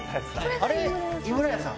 あれ井村屋さん？